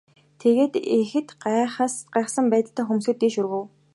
Тэгээд ихэд гайхсан байдалтай хөмсгөө дээш өргөв.